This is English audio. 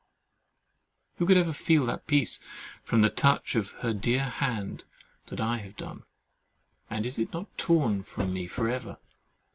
Who could ever feel that peace from the touch of her dear hand that I have done; and is it not torn from me for ever?